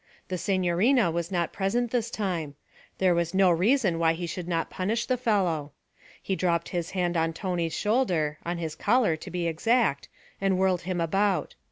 The signorina was not present this time; there was no reason why he should not punish the fellow. He dropped his hand on Tony's shoulder on his collar to be exact and whirled him about.